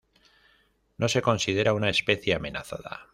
No se considera una especie amenazada.